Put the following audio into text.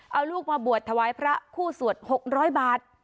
เอาลูกมาบวชถวายพระคู่สวด๖๐๐บาท